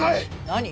何？